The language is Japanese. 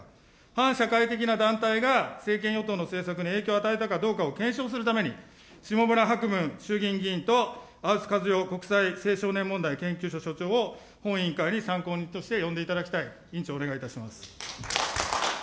反社会的な団体が政権与党の政策に影響を与えたかどうかを検証するために、下村博文衆議院議員と青津和代国際青少年問題研究所所長を、本委員会に参考人として呼んでいただきたい。